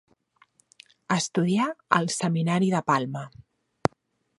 Estudià al Seminari de Palma.